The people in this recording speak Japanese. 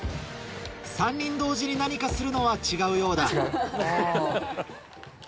３人同時に何かするのは違うようだ。